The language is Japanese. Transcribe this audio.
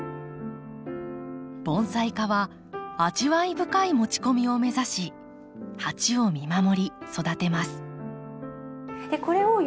盆栽家は味わい深い持ち込みを目指し鉢を見守り育てます。